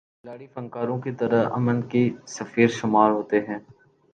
کھلاڑی فنکاروں کی طرح امن کے سفیر شمار ہوتے ہیں۔